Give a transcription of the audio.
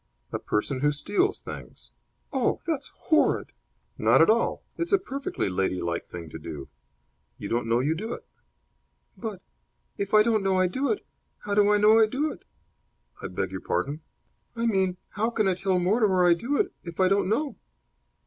"A person who steals things." "Oh, that's horrid." "Not at all. It's a perfectly ladylike thing to do. You don't know you do it." "But, if I don't know I do it, how do I know I do it?" "I beg your pardon?" "I mean, how can I tell Mortimer I do it if I don't know?"